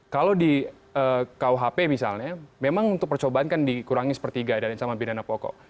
kalau di rkuhp misalnya memang untuk percobaan kan dikurangi satu per tiga dari insaman pidana pokok